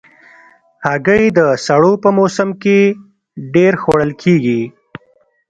هګۍ د سړو په موسم کې ډېر خوړل کېږي.